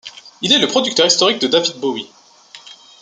Il est le producteur historique de David Bowie.